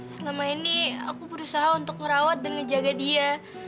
selama ini aku berusaha untuk ngerawat dan ngejaga dia